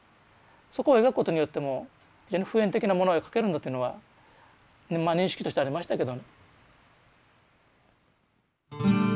そこを描くことによっても普遍的なものが書けるんだというのは認識としてありましたけどね。